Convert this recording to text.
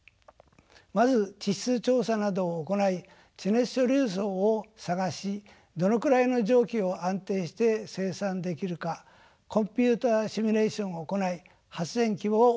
まず地質調査などを行い地熱貯留層を探しどのくらいの蒸気を安定して生産できるかコンピュータ−シミュレーションを行い発電規模を評価します。